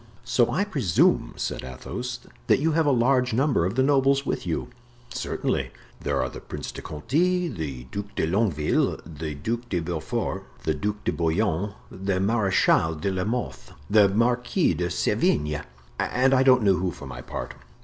"So I presume," said Athos, "that you have a large number of the nobles with you?" "Certainly. There are the Prince de Conti, the Duc de Longueville, the Duc de Beaufort, the Duc de Bouillon, the Marechal de la Mothe, the Marquis de Sevigne, and I don't know who, for my part."